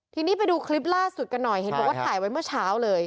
ทีนี้ไปดูคลิปล่าสุดกันหน่อยเห็นบอกว่าถ่ายไว้เมื่อเช้าเลย